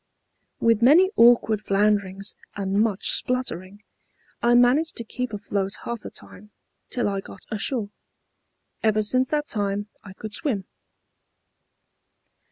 With many awkward flounderings, and much spluttering, I managed to keep afloat half the time, till I got ashore. Ever since that time I could swim.